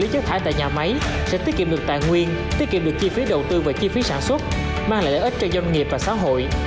chắc khách đặt quá trời